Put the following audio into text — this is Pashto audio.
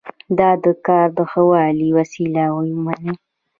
دا د کار د ښه والي وسیله ومني.